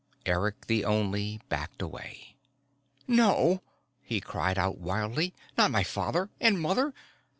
Eric the Only backed away. "No!" he called out wildly. "Not my father and mother!